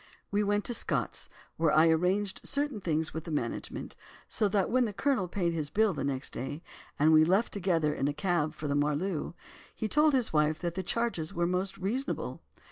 "We went to 'Scott's,' where I arranged certain things with the management. So that when the Colonel paid his bill next day, and we left together in a cab for the Marloo, he told his wife that the charges were most reasonable.